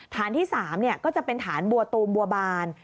ฐานที่๓ก็จะเป็นฐานบัวตูมบัวบาน